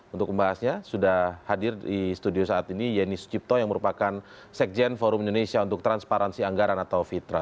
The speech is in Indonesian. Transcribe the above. untuk membahasnya sudah hadir di studio saat ini yeni sucipto yang merupakan sekjen forum indonesia untuk transparansi anggaran atau fitra